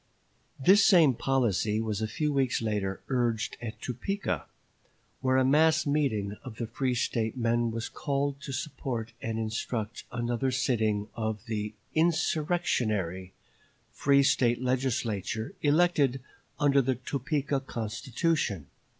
This same policy was a few weeks later urged at Topeka, where a mass meeting of the free State men was called to support and instruct another sitting of the "insurrectionary" free State Legislature elected under the Topeka Constitution.